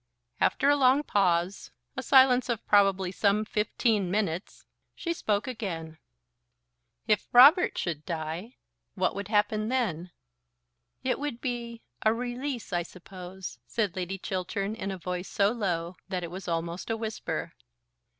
After a long pause, a silence of probably some fifteen minutes, she spoke again. "If Robert should die, what would happen then?" "It would be a release, I suppose," said Lady Chiltern in a voice so low, that it was almost a whisper.